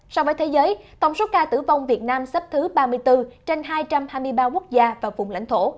so với thế giới tổng số ca tử vong việt nam xếp thứ ba mươi bốn trên hai trăm hai mươi ba quốc gia và vùng lãnh thổ